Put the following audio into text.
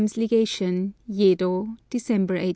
's LEGATION, YEDO, December 18.